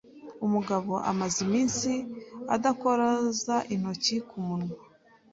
Umugabo amaze iminsi adakoza intoki ku munwa